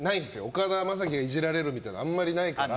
岡田将生がイジられるみたいなのはないから。